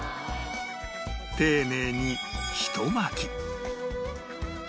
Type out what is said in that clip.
丁寧にひと巻き